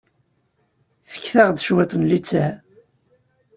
Fket-aɣ cwiṭ n littseɛ.